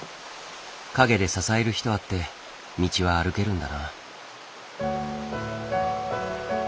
陰で支える人あって道は歩けるんだな。